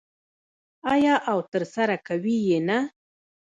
آیا او ترسره کوي یې نه؟